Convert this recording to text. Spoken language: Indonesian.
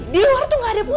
di luar tuh gak ada putri